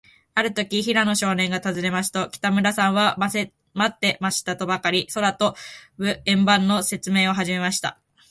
あるとき、平野少年がたずねますと、北村さんは、まってましたとばかり、空とぶ円盤のせつめいをはじめました。